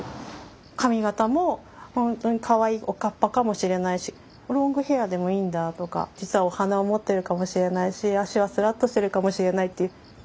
髪形もほんとにかわいいおかっぱかもしれないしロングヘアーでもいいんだとか実はお花を持ってるかもしれないし脚はすらっとしてるかもしれないっていう。